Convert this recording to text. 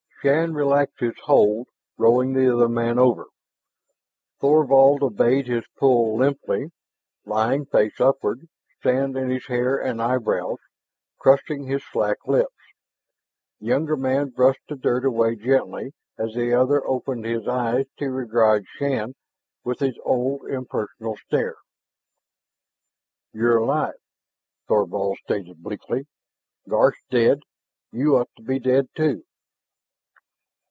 Shann relaxed his hold, rolling the other man over. Thorvald obeyed his pull limply, lying face upward, sand in his hair and eyebrows, crusting his slack lips. The younger man brushed the dirt away gently as the other opened his eyes to regard Shann with his old impersonal stare. "You're alive," Thorvald stated bleakly. "Garth's dead. You ought to be dead too."